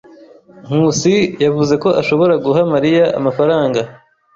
Nkusi yavuze ko ashobora guha Mariya amafaranga.